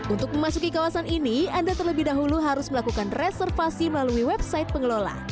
untuk memasuki kawasan ini anda terlebih dahulu harus melakukan reservasi melalui website pengelola